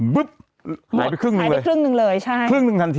ปุ๊บหายไปครึ่งนึงเลยครึ่งนึงทันทีเลยหมดหายไปครึ่งนึงเลยใช่